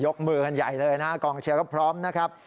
ยกมือขนใหญ่เลยนะฮะกองแชร์พร้อมนะครับ